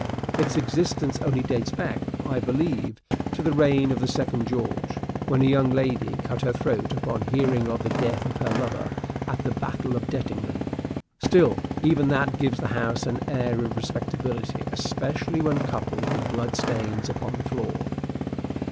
Its existence only dates back, I believe, to the reign of the Second George, when a young lady cut her throat upon hearing of the death of her lover at the battle of Dettingen. Still, even that gives the house an air of respectability, especially when coupled with blood stains upon the floor.